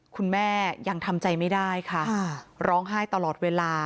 คุณแม่ยังทำใจไม่ได้ค่ะร้องไห้ตลอดเวลา